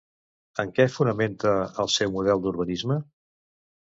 En què fonamenta el seu model d'urbanisme?